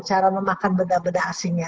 cara memakan beda beda asingnya